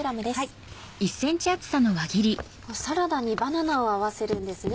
サラダにバナナを合わせるんですね。